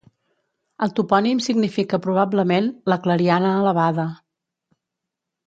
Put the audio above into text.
El topònim significa probablement "la clariana elevada".